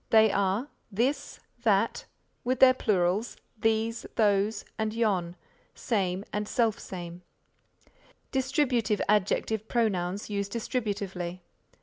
They are this, that with their plurals these, those, and yon, same and selfsame. Distributive Adjective Pronouns used distributively.